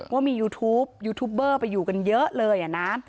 ว่ามียูทูปยูทูปเบอร์ไปอยู่กันเยอะเลยนะ